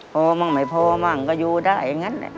พอบ้างไม่พอบ้างก็อยู่ได้อย่างนั้น